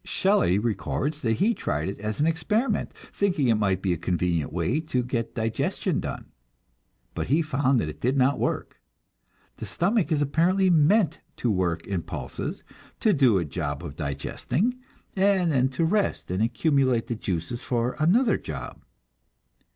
Shelley records that he tried it as an experiment, thinking it might be a convenient way to get digestion done but he found that it did not work. The stomach is apparently meant to work in pulses; to do a job of digesting, and then to rest and accumulate the juices for another job.